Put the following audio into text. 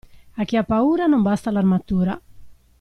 A chi ha paura non basta l'armatura.